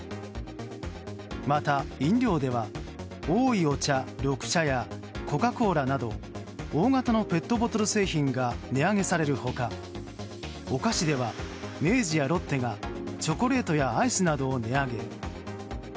また、飲料ではおいお茶緑茶やコカ・コーラなど大型のペットボトル製品が値上げされる他、お菓子では明治やロッテが、チョコレートやアイスなどを値上げ。